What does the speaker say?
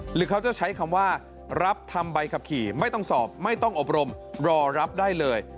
หรือเขาจะใช้คำว่ารับทำใบขับขี่ไม่ต้องสอบไม่ต้องอบรมรอรับได้เลย